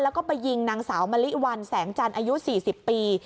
แล้วก็ไปยิงนางสาวมะลิวันแสงจันทร์อายุ๔๐ปี